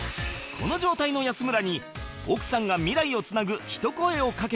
この状態の安村に奥さんが未来を繋ぐ一声をかけたという